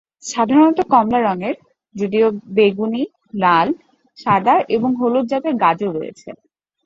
সাধারণত কমলা রঙের, যদিও বেগুনি, লাল, সাদা এবং হলুদ জাতের গাজর রয়েছে।